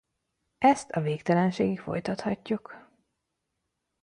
Ezt a végtelenségig folytatjuk.